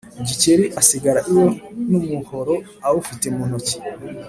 Gikeli asigara iwe n’umuhoro awufite muntoki